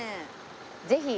ぜひ。